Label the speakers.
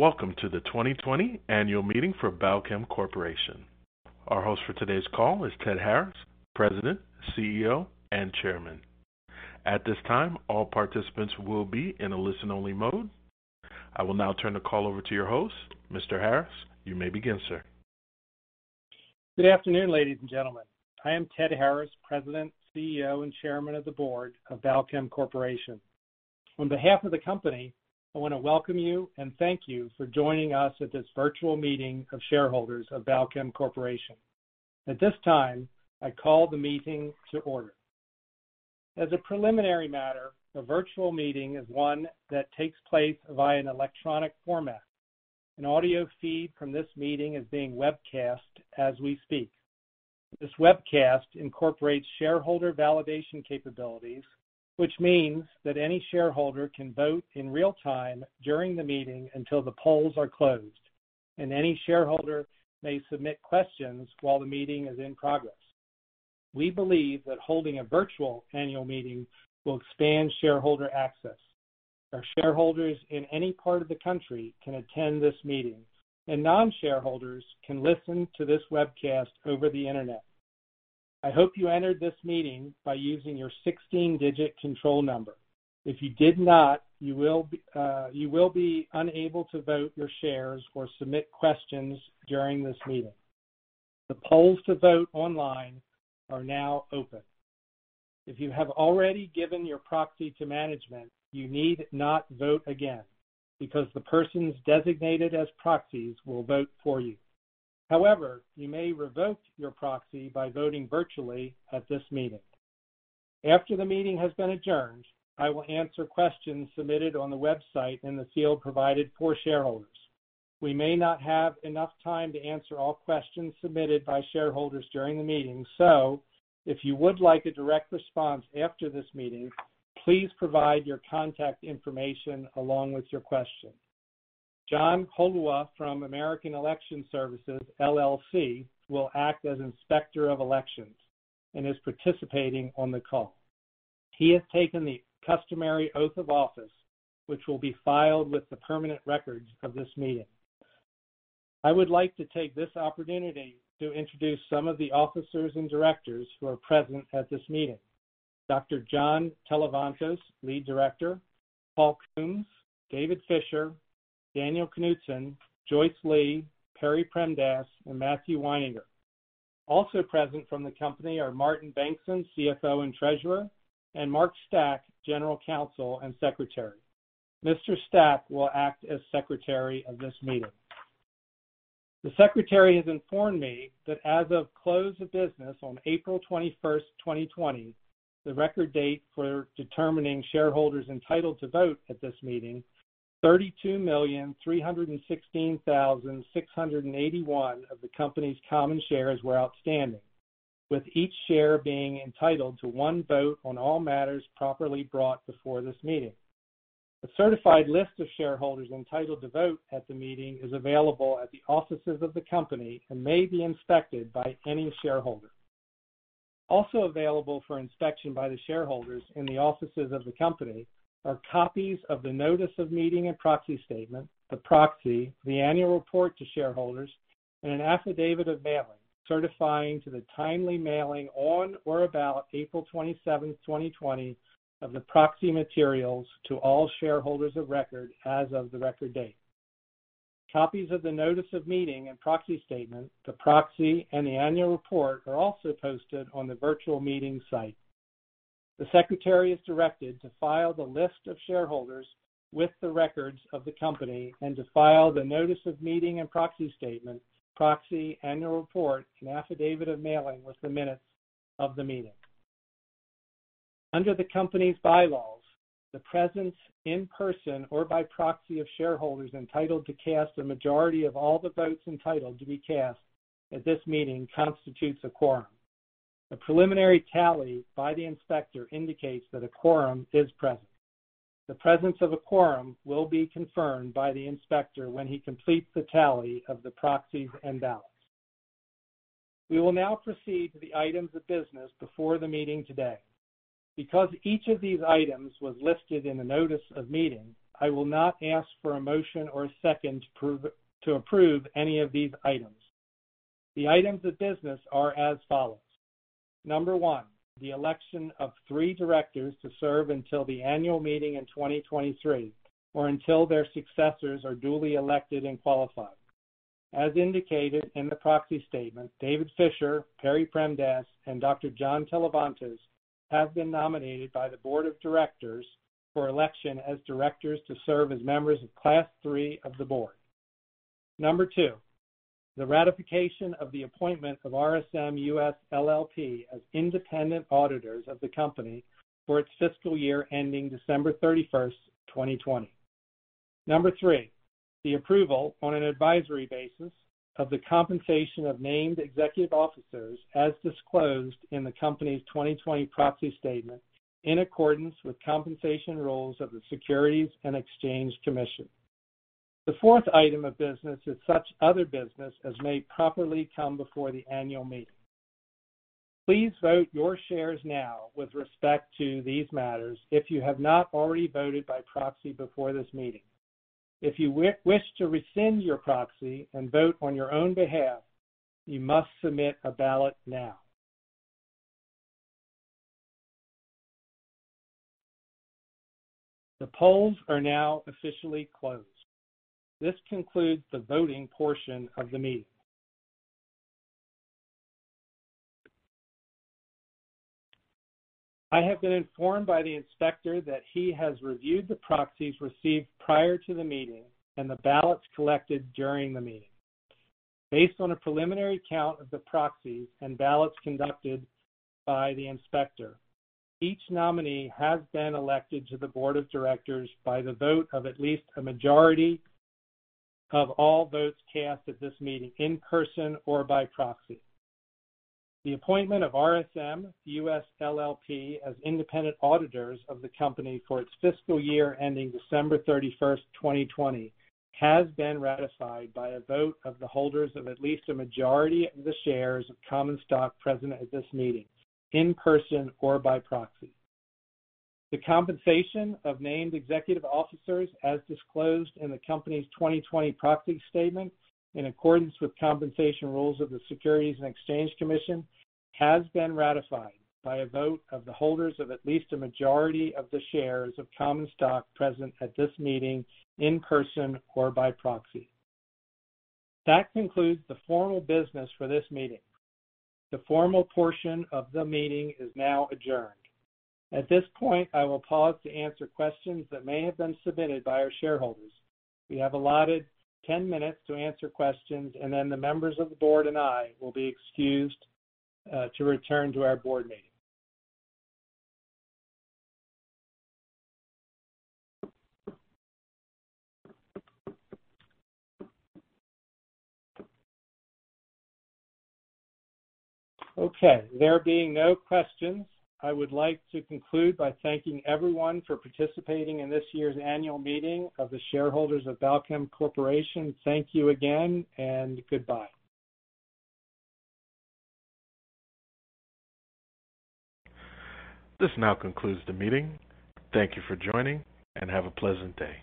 Speaker 1: Welcome to the 2020 annual meeting for Balchem Corporation. Our host for today's call is Ted Harris, President, Chief Executive Officer, and Chairman. At this time, all participants will be in a listen-only mode. I will now turn the call over to your host. Mr. Harris, you may begin, sir.
Speaker 2: Good afternoon, ladies and gentlemen. I am Ted Harris, President, Chief Executive Officer, and Chairman of the Board of Balchem Corporation. On behalf of the company, I want to welcome you and thank you for joining us at this virtual meeting of shareholders of Balchem Corporation. At this time, I call the meeting to order. As a preliminary matter, the virtual meeting is one that takes place via an electronic format. An audio feed from this meeting is being webcast as we speak. This webcast incorporates shareholder validation capabilities, which means that any shareholder can vote in real time during the meeting until the polls are closed, and any shareholder may submit questions while the meeting is in progress. We believe that holding a virtual annual meeting will expand shareholder access. Our shareholders in any part of the country can attend this meeting. Non-shareholders can listen to this webcast over the Internet. I hope you entered this meeting by using your 16-digit control number. If you did not, you will be unable to vote your shares or submit questions during this meeting. The polls to vote online are now open. If you have already given your proxy to management, you need not vote again because the persons designated as proxies will vote for you. You may revoke your proxy by voting virtually at this meeting. After the meeting has been adjourned, I will answer questions submitted on the website in the field provided for shareholders. We may not have enough time to answer all questions submitted by shareholders during the meeting. If you would like a direct response after this meeting, please provide your contact information along with your question. John Kolua from American Election Services, LLC will act as Inspector of Elections and is participating on the call. He has taken the customary oath of office, which will be filed with the permanent records of this meeting. I would like to take this opportunity to introduce some of the officers and directors who are present at this meeting. Dr. John Televantos, Lead Director, Paul Coombs, David Fischer, Daniel Knutson, Joyce Lee, Perry Premdas, and Matthew Wineinger. Also present from the company are Martin Bengtsson, Chief Financial Officer and Treasurer, and Mark Stach, General Counsel and Secretary. Mr. Stach will act as Secretary of this meeting. The Secretary has informed me that as of close of business on April 21st, 2020, the record date for determining shareholders entitled to vote at this meeting, 32,316,681 of the company's common shares were outstanding, with each share being entitled to one vote on all matters properly brought before this meeting. A certified list of shareholders entitled to vote at the meeting is available at the offices of the company and may be inspected by any shareholder. Also available for inspection by the shareholders in the offices of the company are copies of the Notice of Meeting and Proxy Statement, the Proxy, the Annual Report to Shareholders, and an Affidavit of Mailing, certifying to the timely mailing on or about April 27th, 2020, of the proxy materials to all shareholders of record as of the record date. Copies of the Notice of Meeting and Proxy Statement, the Proxy, and the Annual Report are also posted on the virtual meeting site. The Secretary is directed to file the list of shareholders with the records of the company and to file the Notice of Meeting and Proxy Statement, Proxy, Annual Report, and Affidavit of Mailing with the minutes of the meeting. Under the company's bylaws, the presence in person or by proxy of shareholders entitled to cast a majority of all the votes entitled to be cast at this meeting constitutes a quorum. A preliminary tally by the Inspector indicates that a quorum is present. The presence of a quorum will be confirmed by the Inspector when he completes the tally of the proxies and ballots. We will now proceed to the items of business before the meeting today. Because each of these items was listed in the Notice of Meeting, I will not ask for a motion or a second to approve any of these items. The items of business are as follows. Number one, the election of three directors to serve until the annual meeting in 2023 or until their successors are duly elected and qualified. As indicated in the Proxy Statement, David Fischer, Perry Premdas, and Dr. John Televantos have been nominated by the Board of Directors for election as directors to serve as members of Class III of the board. Number two, the ratification of the appointment of RSM US LLP as independent auditors of the Company for its fiscal year ending December 31st, 2020. Number three, the approval on an advisory basis of the compensation of named executive officers as disclosed in the company's 2020 Proxy Statement, in accordance with compensation rules of the Securities and Exchange Commission. The fourth item of business is such other business as may properly come before the annual meeting. Please vote your shares now with respect to these matters if you have not already voted by proxy before this meeting. If you wish to rescind your proxy and vote on your own behalf, you must submit a ballot now. The polls are now officially closed. This concludes the voting portion of the meeting. I have been informed by the Inspector that he has reviewed the proxies received prior to the meeting and the ballots collected during the meeting. Based on a preliminary count of the proxies and ballots conducted by the Inspector, each nominee has been elected to the board of directors by the vote of at least a majority of all votes cast at this meeting in person or by proxy. The appointment of RSM US LLP as independent auditors of the company for its fiscal year ending December 31st, 2020 has been ratified by a vote of the holders of at least a majority of the shares of common stock present at this meeting in person or by proxy. The compensation of named executive officers as disclosed in the company's 2020 Proxy Statement, in accordance with compensation rules of the Securities and Exchange Commission, has been ratified by a vote of the holders of at least a majority of the shares of common stock present at this meeting in person or by proxy. That concludes the formal business for this meeting. The formal portion of the meeting is now adjourned. At this point, I will pause to answer questions that may have been submitted by our shareholders. We have allotted 10 minutes to answer questions, and then the members of the board and I will be excused to return to our board meeting. Okay. There being no questions, I would like to conclude by thanking everyone for participating in this year's annual meeting of the shareholders of Balchem Corporation. Thank you again and goodbye.
Speaker 1: This now concludes the meeting. Thank you for joining, and have a pleasant day.